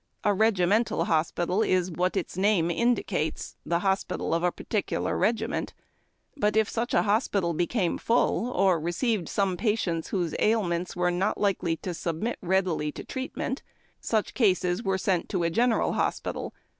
A regimental hospital is wiiai its name indicates — the hospital of a particu lar regimen 1. ['>ut if such a hospital became full or received some patieiii whose ailments were not likely to submit readily to iieaiment, such cases were sent to a General Hospital.